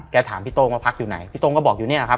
ถามพี่โต้งว่าพักอยู่ไหนพี่โต้งก็บอกอยู่นี่แหละครับ